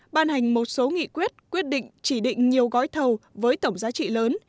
ban hành một số nghị quyết quyết định chỉ định nhiều gói thầu với tổng giá trị lớn